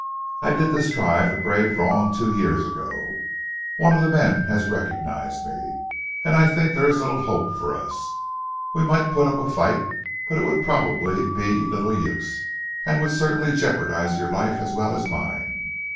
"I did this tribe a grave wrong, two years ago. One of the men has recognized me, and I think there is little hope for us. We might put up a fight, but it would probably be little use, and would certainly jeopardize your life as well as mine.